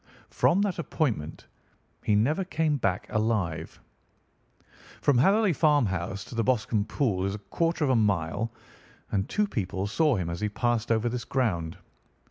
From that appointment he never came back alive. "From Hatherley Farmhouse to the Boscombe Pool is a quarter of a mile, and two people saw him as he passed over this ground.